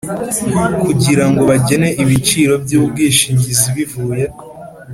Kugirango bagene ibiciro by ubwishingizi bivuye